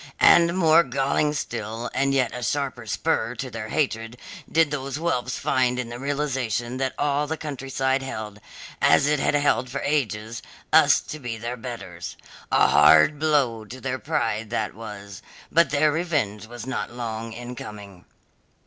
And more galling still and yet a sharper spur to their hatred did those whelps find in the realization that all the countryside held, as it had held for ages, us to be their betters. A hard blow to their pride was that, but their revenge was not long in coming.